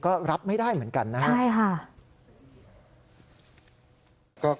ก็รับไม่ได้เหมือนกันนะครับ